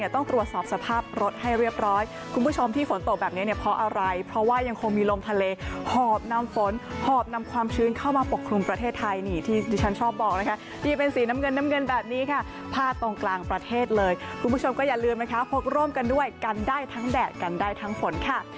ต้องตรวจสอบสภาพรถให้เรียบร้อยคุณผู้ชมที่ฝนตกแบบนี้เนี่ยเพราะอะไรเพราะว่ายังคงมีลมทะเลหอบนำฝนหอบนำความชื้นเข้ามาปกครุมประเทศไทยนี่ที่ดิฉันชอบบอกนะคะนี่เป็นสีน้ำเงินน้ำเงินแบบนี้ค่ะพาดตรงกลางประเทศเลยคุณผู้ชมก็อย่าลืมนะคะพกร่วมกันด้วยกันได้ทั้งแดดกันได้ทั้งฝนค่ะ